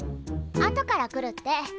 あとから来るって。